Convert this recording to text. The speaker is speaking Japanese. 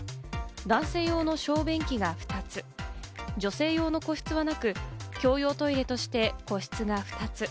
男性用の小便器が２つ、女性用の個室はなく、共用トイレとして個室が２つ。